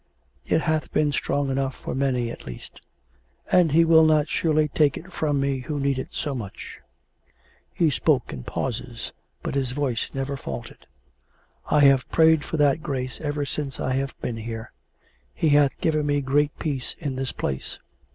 It hath been strong enough for many, at least; and He will not surely take it from me who need it so much. ..." (He spoke in pauses, but his voice never faltered.) " I have prayed for that grace ever since I have been here. ... He hath given me great peace in this place.